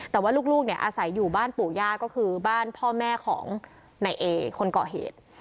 แต่ว่าลูกเนี่ยอาศัยอยู่บ้านปู่ย่าก็คือบ้านพ่อแม่ของนายเอคนก่อเหตุ